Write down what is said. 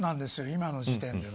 今の時点で。